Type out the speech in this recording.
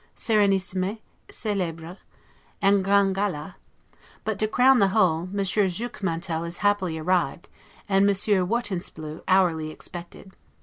serenissimes celebres; en grand gala'; but to crown the whole, Monsieur Zuchmantel is happily arrived, and Monsieur Wartenslebeu hourly expected.